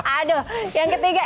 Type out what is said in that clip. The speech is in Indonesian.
aduh yang ketiga